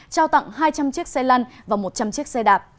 trao tặng hai trăm linh chiếc xe lăn và một trăm linh chiếc xe đạp